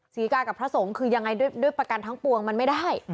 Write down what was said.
ศรีกากับพระสงฆ์คือยังไงด้วยประกันทั้งปวงมันไม่ได้